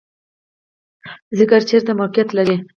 ځیګر چیرته موقعیت لري؟